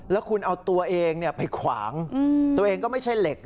แล้วคุณเอาตัวเองไปขวางตัวเองก็ไม่ใช่เหล็ก